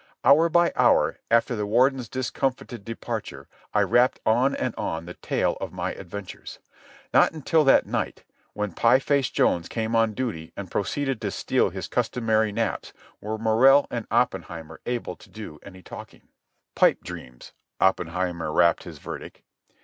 Hour by hour, after the warden's discomfited departure, I rapped on and on the tale of my adventures. Not until that night, when Pie Face Jones came on duty and proceeded to steal his customary naps, were Morrell and Oppenheimer able to do any talking. "Pipe dreams," Oppenheimer rapped his verdict.